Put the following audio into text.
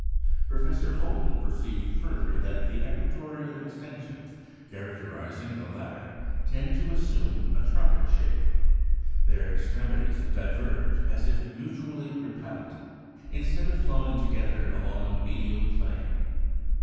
Professor Holden perceived further that the equatorial extensions characterising the latter tend to assume a "trumpet shape." Their extremities diverge, as if mutually repellent, instead of flowing together along a medial plane.